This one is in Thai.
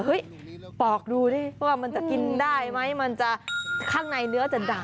ปอกดูดิว่ามันจะกินได้ไหมมันจะข้างในเนื้อจะดำ